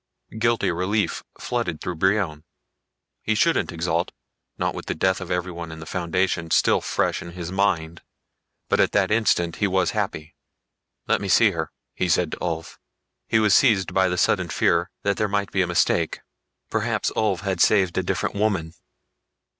Guilty relief flooded through Brion. He shouldn't exult, not with the death of everyone in the Foundation still fresh in his mind. But at that instant he was happy. "Let me see her," he said to Ulv. He was seized by the sudden fear that there might be a mistake. Perhaps Ulv had saved a different woman.